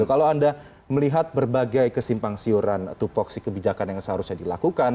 kalau anda melihat berbagai kesimpang siuran tupoksi kebijakan yang seharusnya dilakukan